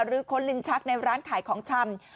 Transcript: ค้นลิ้นชักในร้านขายของชำ